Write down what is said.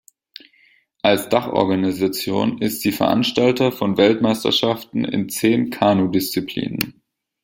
Als Dachorganisation ist sie Veranstalter von Weltmeisterschaften in zehn Kanu-Disziplinen.